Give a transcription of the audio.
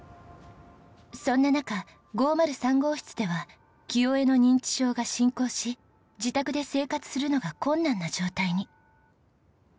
そんな中５０３号室では清江の認知症が進行し自宅で生活するのが困難な状態に。